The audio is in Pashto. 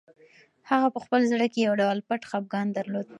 هغه په خپل زړه کې یو ډول پټ خپګان درلود.